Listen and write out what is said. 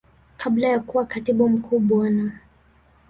Kabla ya kuwa Katibu Mkuu Bwana.